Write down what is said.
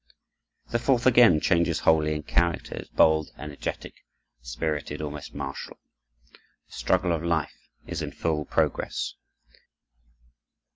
The fourth again changes wholly in character; is bold, energetic, spirited, almost martial. The struggle of life is in full progress.